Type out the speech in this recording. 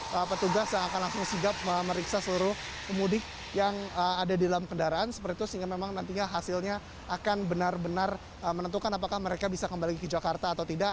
para petugas yang akan langsung sigap memeriksa seluruh pemudik yang ada di dalam kendaraan seperti itu sehingga memang nantinya hasilnya akan benar benar menentukan apakah mereka bisa kembali ke jakarta atau tidak